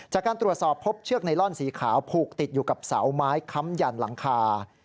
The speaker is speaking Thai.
จากการตรวจสอบพบเชือกไนลอนสีขาวผูกติดอยู่กับเสาไม้ค้ำยันหลังคา